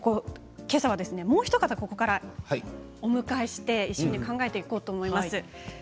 けさは、もうひと方ここからお迎えして一緒に考えていこうと思います。